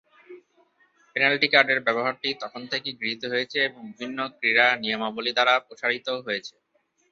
Penalty কার্ডের ব্যবহারটি তখন থেকেই গৃহীত হয়েছে এবং বিভিন্ন ক্রীড়া নিয়মাবলী দ্বারা প্রসারিত হয়েছে।